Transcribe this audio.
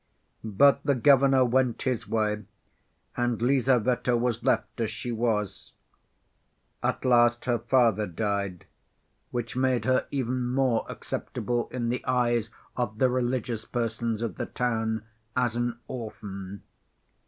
But the governor went his way, and Lizaveta was left as she was. At last her father died, which made her even more acceptable in the eyes of the religious persons of the town, as an orphan.